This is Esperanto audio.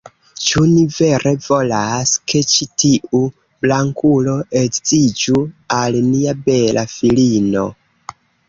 Ĉu ni vere volas, ke ĉi tiu blankulo edziĝu al nia bela filino?